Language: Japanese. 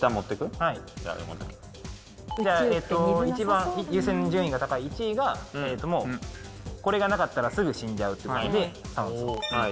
一番優先順位が高い１位がこれがなかったらすぐ死んじゃうということで酸素。